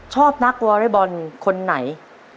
ชอบนักวอเรย์บอลคนไหน